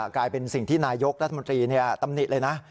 กลายเป็นสิ่งที่นายกรัฐมนตรีตำหนิเลยนะ